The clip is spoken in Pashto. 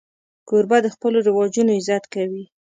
کوربه د خپلو رواجونو عزت کوي.